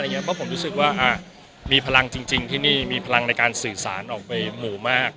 เพราะผมรู้สึกว่ามีพลังจริงที่นี่มีพลังในการสื่อสารออกไปหมู่มาก